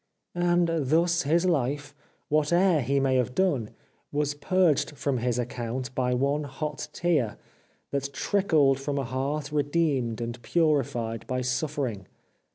And thus his life, whate'er he may have done, was purged from his account by one hot tear that trickled from a heart redeemed and purified by suffering.